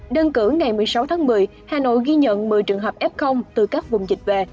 đơn cử ngày một mươi sáu tháng một mươi hà nội ghi nhận một mươi trường hợp f từ các vùng dịch về